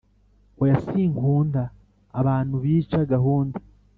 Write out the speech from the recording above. oya sinkunda abanu bica gahunda